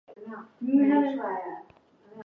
全线均为三线或四线双程分隔快速公路。